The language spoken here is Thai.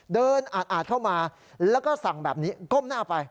เดินอาดเข้ามาแล้วก็สั่งแบบนี้ก้มหน้าไป